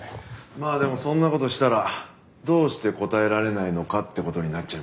まあでもそんな事したらどうして答えられないのかって事になっちゃいますけど。